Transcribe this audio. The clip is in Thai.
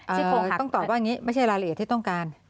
ที่คงต้องตอบว่าอย่างนี้ไม่ใช่รายละเอียดที่ต้องการ